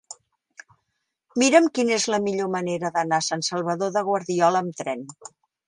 Mira'm quina és la millor manera d'anar a Sant Salvador de Guardiola amb tren.